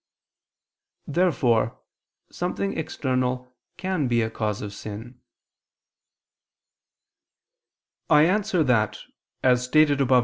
Therefore something external can be a cause of sin. I answer that, As stated above (A.